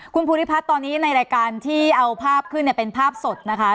คุณภูริพัฒน์ตอนนี้ในรายการที่เอาภาพขึ้นเนี่ยเป็นภาพสดนะคะ